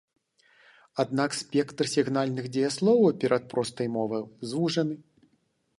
Аднак спектр сігнальных дзеясловаў перад простай мовай звужаны.